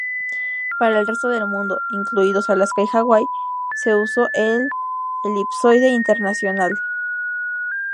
Para el resto del mundo –incluidos Alaska y Hawái– se usó el Elipsoide Internacional.